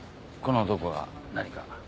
この男が何か？